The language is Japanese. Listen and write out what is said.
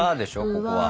ここは。